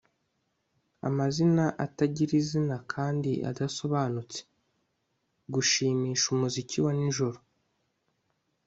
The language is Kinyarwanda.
Amazina atagira izina kandi adasobanutse gushimisha umuziki wa nijoro